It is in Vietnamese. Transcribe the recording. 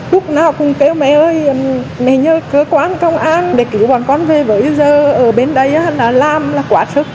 lúc nào cũng kêu mẹ ơi mẹ nhớ cơ quan công an để cứu bọn con về với giờ ở bên đây là làm là quá sức